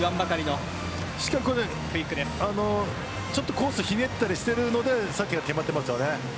コースをひねったりしてるので決まっていますよね。